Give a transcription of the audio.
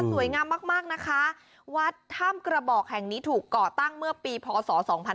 สวยงามมากมากนะคะวัดถ้ำกระบอกแห่งนี้ถูกก่อตั้งเมื่อปีพศ๒๕๕๙